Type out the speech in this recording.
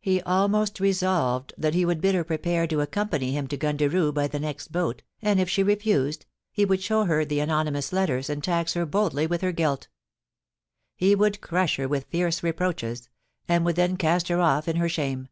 He almost resolved that he would bid her prepare to accompany him to Gundaroo by the next boat, and if she refused, he would show her the anonymous letters and tax her boldly with her guilt He would crush her with fierce reproaches, and would then cast her off in her shame.